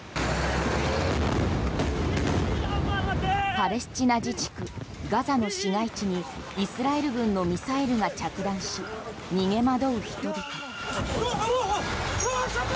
パレスチナ自治区ガザの市街地にイスラエル軍のミサイルが着弾し逃げ惑う人々。